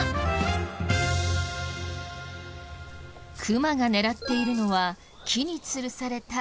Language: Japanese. クマが狙っているのは木につるされた鳥のエサ。